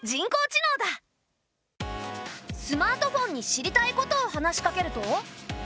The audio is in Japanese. スマートフォンに知りたいことを話しかけると。